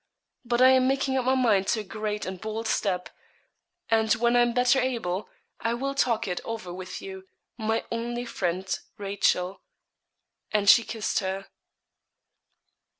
But I am making up my mind to a great and bold step, and when I am better able, I will talk it over with you my only friend, Rachel.' And she kissed her.